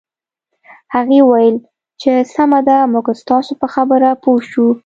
هغې وویل چې سمه ده موږ ستاسو په خبره پوه شوو